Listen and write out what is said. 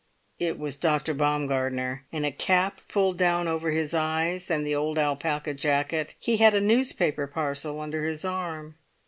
It was Dr. Baumgartner, in a cap pulled down over his eyes, and the old alpaca jacket. He had a newspaper parcel under his arm.